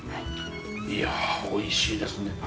いや、おいしいですね。